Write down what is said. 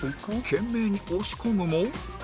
懸命に押し込むも